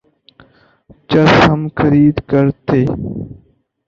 چس ہم خرید کر تھے